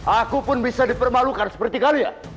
aku pun bisa dipermalukan seperti kalian